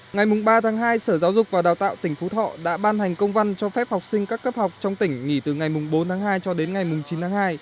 ngày ba tháng hai sở giáo dục và đào tạo tỉnh phú thọ đã ban hành công văn cho phép học sinh các cấp học trong tỉnh nghỉ từ ngày bốn tháng hai cho đến ngày chín tháng hai